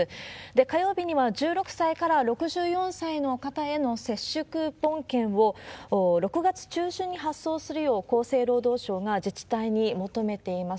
火曜日には、１６歳から６４歳の方への接種クーポン券を、６月中旬に発送するよう厚生労働省が自治体に求めています。